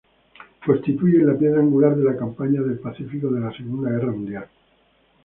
Constituyen la piedra angular de la campaña del Pacífico de la Segunda Guerra Mundial.